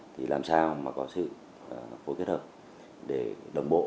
thì làm sao mà có sự phối kết hợp để đồng bộ